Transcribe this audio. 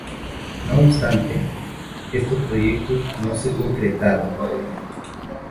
No obstante, estos proyectos no se concretaron.